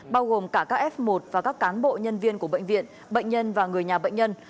bao gồm cả các f một và các cán bộ nhân viên của bệnh viện bệnh nhân và người nhà bệnh nhân